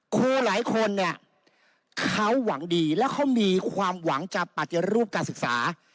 ครูหลายคนเนี่ยเขาหวังดีแล้วเขามีความหวังจะปฏิรูปการศึกษา